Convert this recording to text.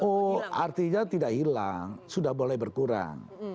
oh artinya tidak hilang sudah boleh berkurang